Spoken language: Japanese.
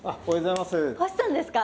星さんですか？